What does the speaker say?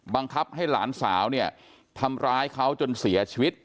บังคับให้หลานสาวเนี่ยทำร้ายเขาจนเสียชีวิต